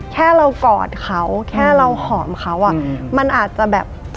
แค่เรากอดเขาแค่เราหอมเขาอ่ะมันอาจจะแบบ